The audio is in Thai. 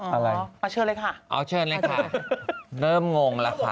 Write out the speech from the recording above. อะไรโอ้เชิญเลยค่ะเริ่มงงเลยค่ะ